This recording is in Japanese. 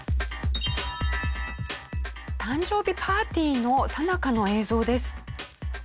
誕生日パーティーのさなかの映像です。